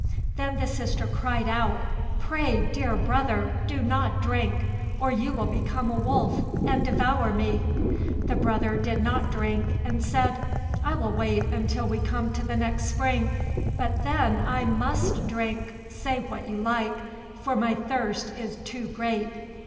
Then the sister cried out, "Pray, dear brother, do not drink, or you will become a wolf, and devour me." The brother did not drink, and said, "I will wait until we come to the next spring, but then I must drink, say what you like; for my thirst is too great."